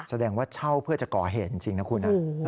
แสดงว่าเช่าเพื่อจะก่อเหตุจริงนะคุณ